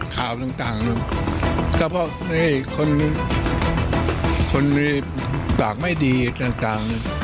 ข่าวต่างต่างก็เพราะเอ้ยคนคนมีปากไม่ดีต่างต่าง